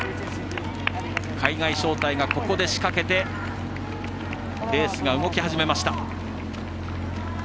海外招待がここで仕掛けてレースが動き始めました。